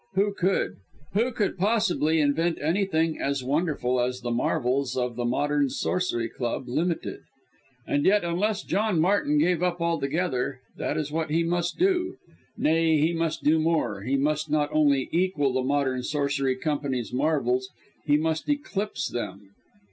Who could? Who could possibly invent anything as wonderful as the marvels of the Modern Sorcery Company Ltd.? And yet unless John Martin gave up altogether, that is what he must do. Nay, he must do more he must not only equal the Modern Sorcery Company's marvels, he must eclipse them.